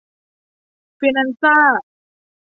ฟินันซ่า